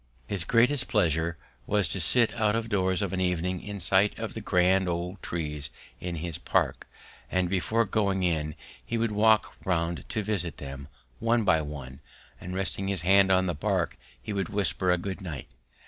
His greatest pleasure was to sit out of doors of an evening in sight of the grand old trees in his park, and before going in he would walk round to visit them, one by one, and resting his hand on the bark he would whisper a goodnight.